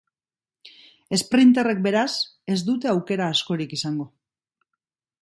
Esprinterrek, beraz, ez dute aukera askorik izango.